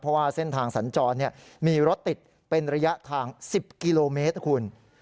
เพราะว่าเส้นทางสัญจรมีรถติดเป็นระยะทาง๑๐กิโลเมตรนะคุณ